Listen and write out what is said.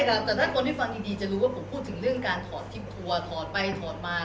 แต่ถ้าคนที่ฟังดีจะรู้ว่าผมพูดถึงเรื่องการถอดซิปทัวร์ถอดไปถอดมา